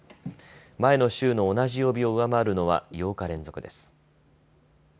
前の週の同じ曜日を上回るのは８日連続です。